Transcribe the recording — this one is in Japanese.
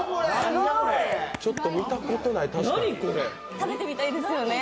食べてみたいですよね。